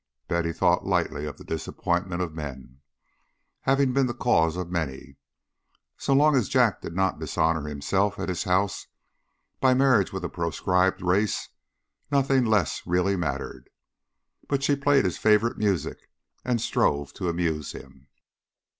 Betty thought lightly of the disappointments of men, having been the cause of many. So long as Jack did not dishonour himself and his house by marriage with a proscribed race, nothing less really mattered. But she played his favourite music and strove to amuse him.